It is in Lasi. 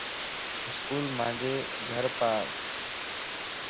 اسڪول مانجي گھر پار